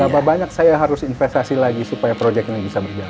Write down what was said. berapa banyak saya harus investasi lagi supaya proyek ini bisa berjalan